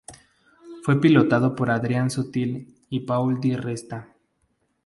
Fue pilotado por Adrian Sutil y Paul di Resta.